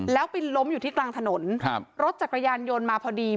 แล้วปิดล้มอยู่ที่กลางถนนรถจัดกระยานโยนมาพอดี